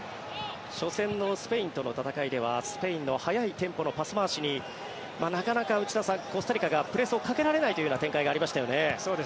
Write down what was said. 初戦のスペインとの戦いではスペインの速いテンポのパス回しになかなか内田さんコスタリカがプレスをかけられないというような展開がありましたよね。